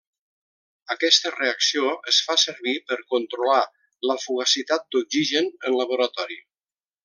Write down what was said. Aquesta reacció es fa servir per controlar la fugacitat d'oxigen en laboratori.